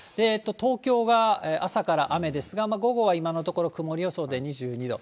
東京が朝から雨ですが、午後は今のところ曇り予想で２２度。